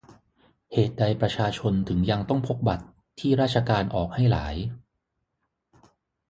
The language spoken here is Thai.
เหตุใดประชาชนถึงยังต้องพกบัตรที่ราชการออกให้หลาย